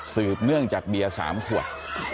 สืบเนื่องจากเบียร์๓ขวด